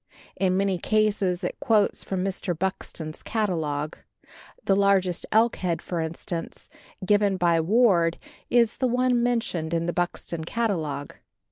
In many cases it quotes from Mr. Buxton's catalogue. The largest elk head, for instance, given by Ward is the one mentioned in the Buxton catalogue.